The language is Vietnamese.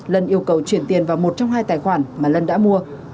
lân yêu cầu chuyển tiền vào một trong hai tài khoản mà lân đã mua